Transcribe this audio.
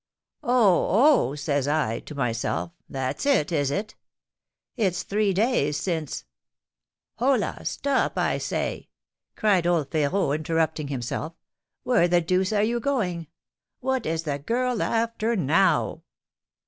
'Oh, oh!' says I to myself,'that's it, is it? It's three days since ' Holla! stop, I say!" cried old Férot, interrupting himself; "where the deuce are you going? What is the girl after now?"